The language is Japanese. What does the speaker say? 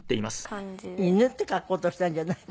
「犬」って書こうとしたんじゃない？